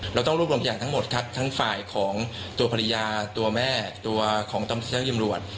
เราต้องรูปรับรุงพยานทั้งหมดทั้งฝ่ายของตัวภรรยาตัวแม่ต้องกรรมเจ้ายำรวช